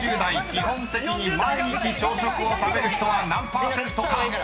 基本的に毎日朝食を食べる人は何％か］